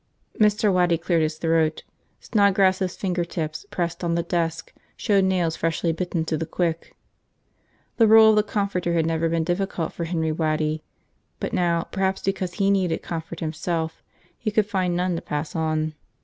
Mr. Waddy cleared his throat. Snodgrass' finger tips, pressed on the desk, showed nails freshly bitten to the quick. The role of comforter had never been difficult for Henry Waddy; but now, perhaps because he needed comfort himself, he could find none to pass on.